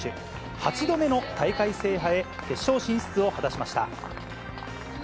８度目の大会制覇へ、決勝進出を果たしました。